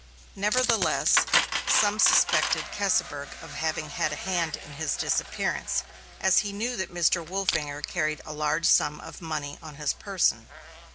Nevertheless, some suspected Keseberg of having had a hand in his disappearance, as he knew that Mr. Wolfinger carried a large sum of money on his person.